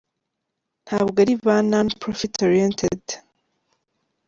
Ntabwo ari ba none profit oriented.